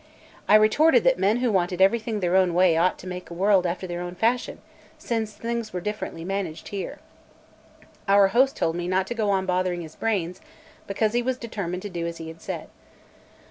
I retorted that men who wanted everything their own way ought to make a world after their own fashion, since things were differently managed here. Our host told me not to go on bothering his brains, because he was determined to do as he had said.